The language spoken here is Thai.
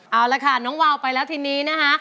เอาละค่ะน้องวาวไปแล้วทีนี้นะคะ